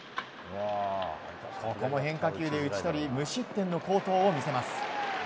ここも変化球で打ち取り無失点の好投を見せます。